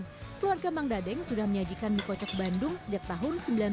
keluarga mang dadeng sudah menyajikan mie kocok bandung sejak tahun seribu sembilan ratus sembilan puluh